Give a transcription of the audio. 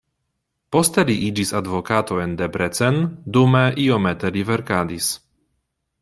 Poste li iĝis advokato en Debrecen, dume iomete li verkadis.